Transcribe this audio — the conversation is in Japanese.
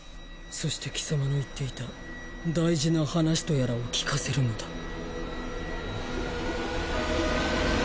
そしてキサマの言っていた大事な話とやらを聞かせるのだ